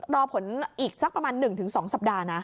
รอผลอีกสักประมาณ๑๒สัปดาห์นะ